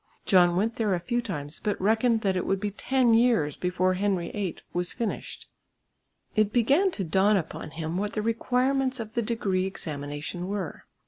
John went there a few times, but reckoned that it would be ten years before Henry VIII was finished. It began to dawn upon him what the requirements of the degree examination were.